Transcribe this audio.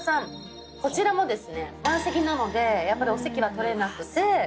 こちらもですね満席なのでやっぱりお席は取れなくてなごり旬